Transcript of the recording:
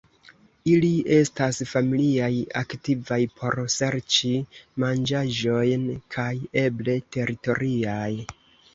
Ili estas familiaj, aktivaj por serĉi manĝaĵojn kaj eble teritoriaj.